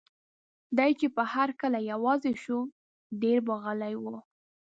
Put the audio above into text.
دی چې به هر کله یوازې شو، ډېر به غلی و.